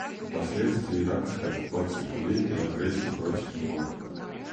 Последствия иракской оккупации Кувейта и агрессии против него.